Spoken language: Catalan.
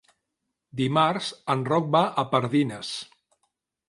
Dimarts en Roc va a Pardines.